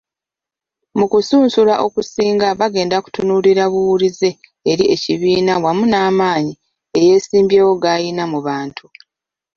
Mu kusunsulamu okusinga bagenda kutunuulira buwulize eri ekibiina wamu n'amaanyi eyeesimbyewo galina mu bantu.